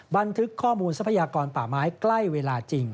บันทึกข้อมูลทรัพยากรป่าไม้ใกล้เวลาจริง